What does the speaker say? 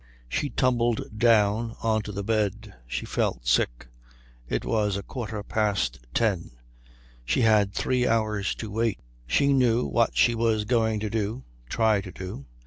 She tumbled down on to the bed. She felt sick. It was a quarter past ten. She had three hours to wait. She knew what she was going to do, try to do.